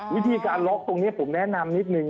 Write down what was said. วิธีการล็อกตรงนี้ผมแนะนำนิดนึง